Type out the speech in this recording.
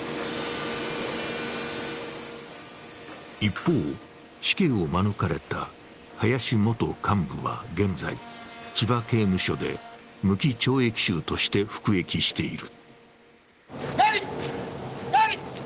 一方、死刑を免れた林元幹部は現在、千葉刑務所で無期懲役囚として服役している。